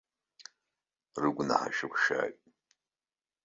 Рыгәнаҳа шәықәшәааит!